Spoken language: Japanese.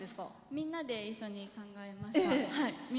みんなで一緒に考えました。